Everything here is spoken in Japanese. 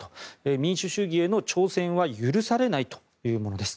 民主主義への挑戦は許されないというものです。